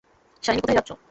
শালিনী, কোথায় যাচ্ছ?